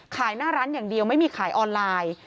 หน้าร้านอย่างเดียวไม่มีขายออนไลน์